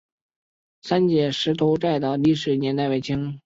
三捷青石寨的历史年代为清。